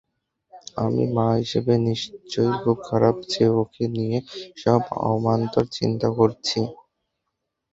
আমি মা হিসেবে নিশ্চয়ই খুব খারাপ যে ওকে নিয়ে এসব অবান্তর চিন্তা করছি!